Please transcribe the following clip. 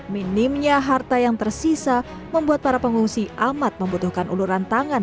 minimnya harta yang tersisa membuat para pengungsi amat membutuhkan uluran tangan